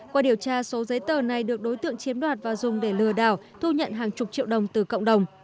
qua điều tra số giấy tờ này được đối tượng chiếm đoạt và dùng để lừa đảo thu nhận hàng chục triệu đồng từ cộng đồng